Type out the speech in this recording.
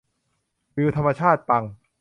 วิวธรรมชาติปัง